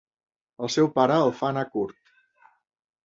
El seu pare el fa anar curt.